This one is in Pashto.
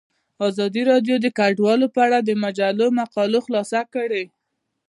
ازادي راډیو د کډوال په اړه د مجلو مقالو خلاصه کړې.